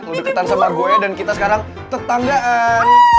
mau deketan sama gue dan kita sekarang tetanggaan